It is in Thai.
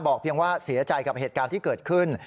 เพียงว่าเสียใจกับเหตุการณ์ที่เกิดขึ้น